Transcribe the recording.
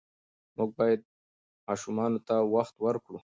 موږ باید ماشومانو ته وخت ورکړو.